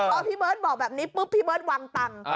พอพี่เบิร์ตบอกแบบนี้ปุ๊บพี่เบิร์ตวางตังค์